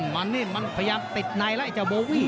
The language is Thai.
มันนี่มันพยายามติดในแล้วไอ้เจ้าโบวี่